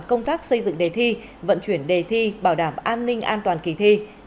công tác xây dựng đề thi vận chuyển đề thi bảo đảm an ninh an toàn kỳ thi